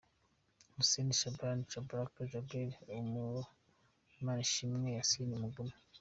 Huseni Shabani "cabalala",jabeli Imanishimwe, Yasini Mugume.